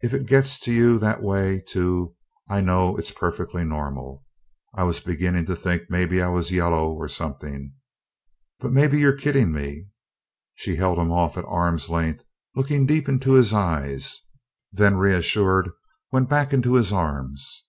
If it gets to you that way, too, I know it's perfectly normal I was beginning to think maybe I was yellow or something ... but maybe you're kidding me?" she held him off at arm's length, looking deep into his eyes: then, reassured, went back into his arms.